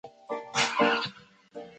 徐永宁孙。